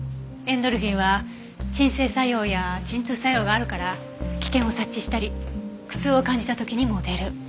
エンドルフィンは鎮静作用や鎮痛作用があるから危険を察知したり苦痛を感じた時にも出る。